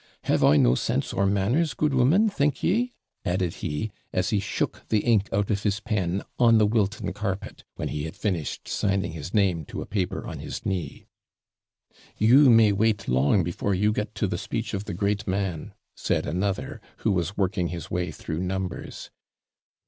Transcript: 'Have I no sense or manners, good woman, think ye?' added he, as he shook the ink out of his pen on the Wilton carpet, when he had finished signing his name to a paper on his knee. 'You may wait long before you get to the speech of the great man,' said another, who was working his way through numbers.